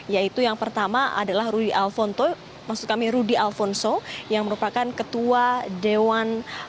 yaitu yang pertama adalah rudy alfonso yang merupakan ketua bidang hukum dan ham partai golongan karya setia novanto